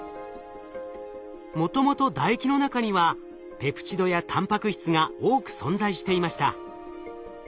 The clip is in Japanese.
もともと唾液の中にはペプチドやたんぱく質が多く存在していました。